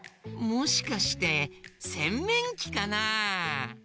もしかしてせんめんきかな？